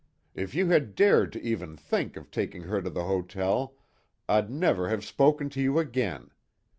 If you had dared to even think of taking her to the hotel, I'd never have spoken to you again!